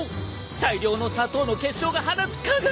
大量の砂糖の結晶が放つ輝き！